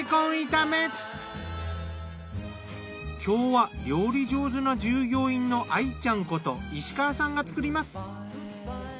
今日は料理上手な従業員の愛ちゃんこと石川さんが作ります。